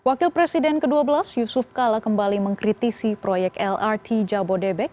wakil presiden ke dua belas yusuf kala kembali mengkritisi proyek lrt jabodebek